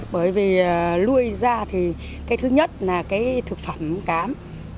bởi vì nuôi ra thì thứ nhất là thực phẩm cám